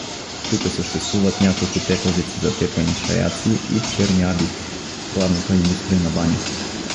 Тука съществуват няколко тепавици за тепане шаяци и черни аби, главната индустрия на Баня.